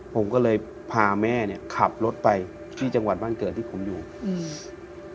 ผมก็เลยพาแม่เนี้ยขับรถไปที่จังหวัดบ้านเกิดที่ผมอยู่อืม